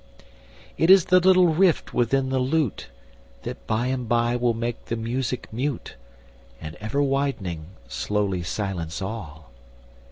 'It is the little rift within the lute, That by and by will make the music mute, And ever widening slowly silence all.